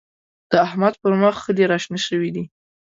د احمد پر مخ خلي راشنه شوي دی.